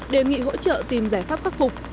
đề nghị hỗ trợ tìm giải pháp phát phục